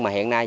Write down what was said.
mà hiện nay